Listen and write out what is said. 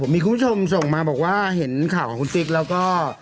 มีคุณผู้ชมส่งมาบอกว่าเห็นข่าวของคุณติ๊กแล้วก็